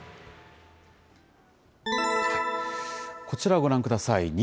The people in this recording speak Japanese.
こちらご覧ください。